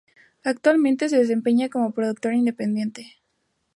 Actualmente se desempeña como productor independiente.